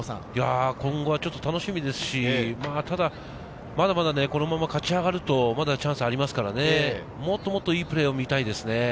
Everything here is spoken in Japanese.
今後が楽しみですし、ただ、まだまだこのまま勝ち上がるとチャンスもありますから、もっともっといいプレーを見たいですね。